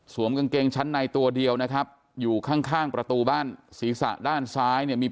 กางเกงชั้นในตัวเดียวนะครับอยู่ข้างข้างประตูบ้านศีรษะด้านซ้ายเนี่ยมี